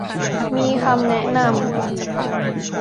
มีคำแนะนำ